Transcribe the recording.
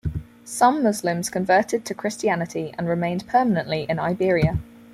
Some Muslims converted to Christianity and remained permanently in Iberia.